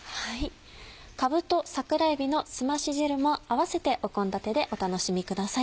「かぶと桜えびのすまし汁」も併せて献立でお楽しみください。